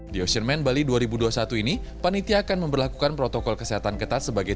di ocean man bali dua ribu dua puluh satu ini panitia akan memperlakukan protokol kesehatan ketat sebagai